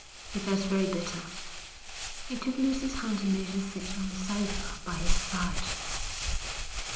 He felt very bitter. He took Lucy's hand and made her sit on the sofa by his side.